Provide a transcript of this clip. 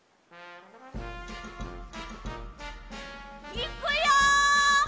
いくよ！